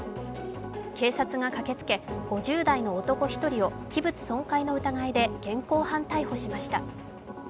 警察が駆けつけ、５０代の男１人を器物損壊の疑いで現行犯逮捕しました。